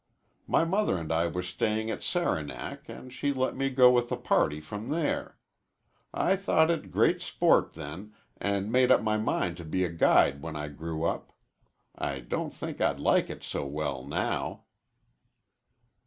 My mother and I were staying at Saranac and she let me go with a party from there. I thought it great sport then, and made up my mind to be a guide when I grew up. I don't think I'd like it so well now."